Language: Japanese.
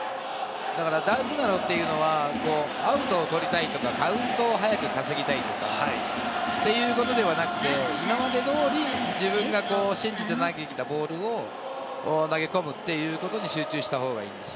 アウトを取りたいとか、カウントを早く稼ぎたいとか、ということではなくて、今まで通り、自分が信じて投げてきたボールを投げ込むということに集中した方がいい。